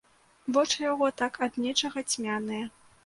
Вочы яго так ад нечага цьмяныя.